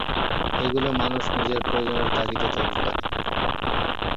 এগুলো মানুষ নিজের প্রয়োজনের তাগিদে তৈরি করে।